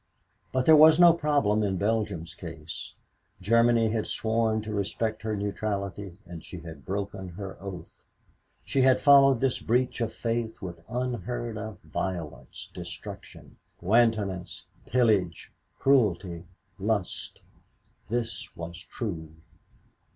But there was no problem in Belgium's case. Germany had sworn to respect her neutrality and she had broken her oath. She had followed this breach of faith with unheard of violence, destruction, wantonness, pillage, cruelty, lust. This was true.